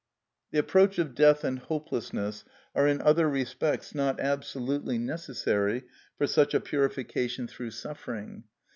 The approach of death and hopelessness are in other respects not absolutely necessary for such a purification through suffering.